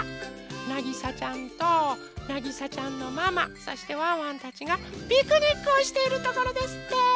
なぎさちゃんとなぎさちゃんのママそしてワンワンたちがピクニックをしているところですって。